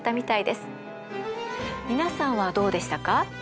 皆さんはどうでしたか？